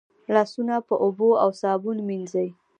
لاسونه په اوبو او صابون مینځئ.